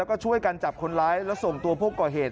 ก็ช่วยกันจับคนร้ายแล้วส่งตัวผู้ก่อเหตุ